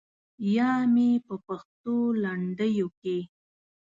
یا مې په پښتو لنډیو کې.